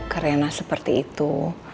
karena seperti itu